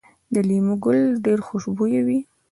د لیمو ګل ډیر خوشبويه وي؟